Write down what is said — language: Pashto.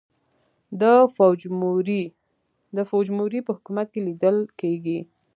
د فوجیموري په حکومت کې لیدل کېږي.